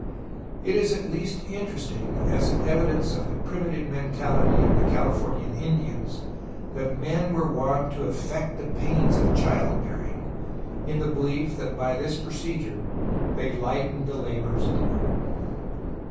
It is at least interesting as an evi dence of the primitive mentality of the Cahfornian Indians that men were wont to affect the pains of child bearing, in the belief that by this procedure they lightened the labors of the woman.